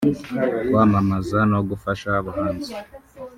kwamamaza no gufasha abahanzi